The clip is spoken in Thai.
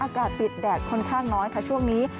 อากาศติดแดดค่อนข้างน้อยค่ะช่วงนี้